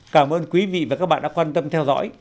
cảm ơn quý vị và các bạn đã quan tâm theo dõi